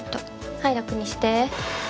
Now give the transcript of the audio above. はい楽にして。